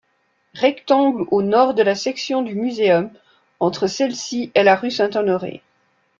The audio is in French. Rectangle au nord de la section du Muséum, entre celle-ci et la rue Saint-Honoré.